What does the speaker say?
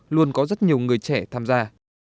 luôn có rất nhiều người trẻ tham gia